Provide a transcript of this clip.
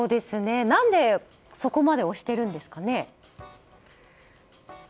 何でそこまで推しているんですかね。